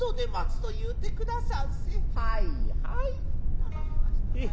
頼みましたぞえ。